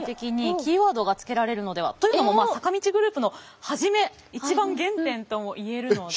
というのも坂道グループの初め一番原点とも言えるので。